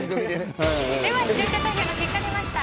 視聴者投票の結果出ました。